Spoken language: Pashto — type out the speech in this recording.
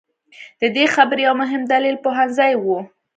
د دې خبرې یو مهم دلیل پوهنځي وو.